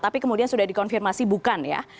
tapi kemudian sudah dikonfirmasi bukan ya